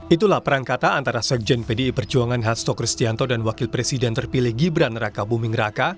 itulah perang kata antara sekjen pdi perjuangan hasto kristianto dan wakil presiden terpilih gibran raka buming raka